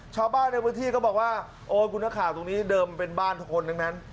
ชาวบ้านในพื้นที่ก็บอกว่าโอ๊ยคุณนักข่าวตรงนี้เดิมเป็นบ้านคนหนึ่งนั้น